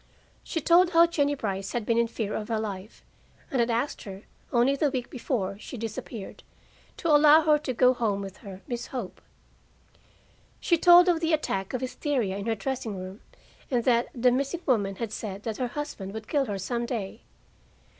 She told how Jennie Brice had been in fear of her life, and had asked her, only the week before she disappeared, to allow her to go home with her Miss Hope. She told of the attack of hysteria in her dressing room, and that the missing woman had said that her husband would kill her some day.